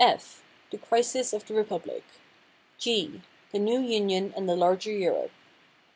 F "The Crisis of the Republic." G "The New Union and the Larger Europe."